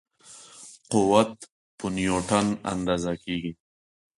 قوت په نیوټن اندازه کېږي.